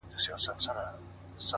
• خلك پوه سول چي خبره د قسمت ده,